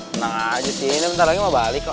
bentar aja sih bentar lagi mau balik kok